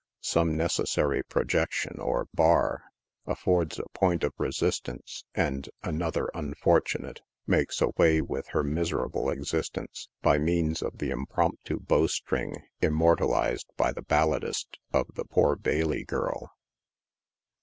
Some necessary projection, cr bar, affords a point of resistance, and " another unfortunate'' makes away with her miserable existence, by means of the impromptu bow string immortalized by the balladlst of the poor Bailey girl.